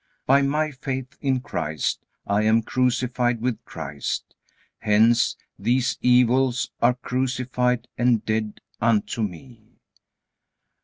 By my faith in Christ I am crucified with Christ. Hence these evils are crucified and dead unto me.